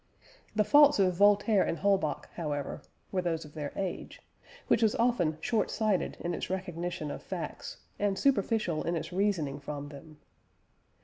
The faults of Voltaire and Holbach, however, were those of their age, which was often short sighted in its recognition of facts, and superficial in its reasoning from them.